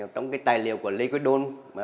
trong cái tài liệu của lê quế đôn